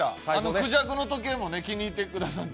クジャクの時計も気に入ってくださってて。